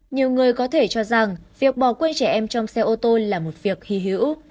nhiều người có thể cho rằng việc bỏ quê trẻ em trong xe ô tô là một việc hy hữu